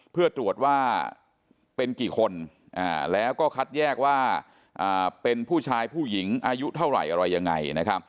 เพื่อตรวจว่าเป็นกี่คนแล้วก็คัดแยกว่าเป็นผู้ชายผู้หญิงอายุเท่าไหร่อะไรยังไงนะครับ